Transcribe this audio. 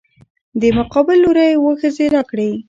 دې مقابل لورى اووه ښځې راکړي.